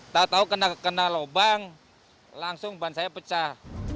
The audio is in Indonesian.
tau tau kena lubang langsung ban saya pecah